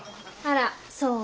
あらそう？